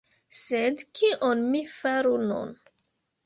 Sed kion mi faru nun?